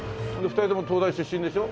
２人とも東大出身でしょ？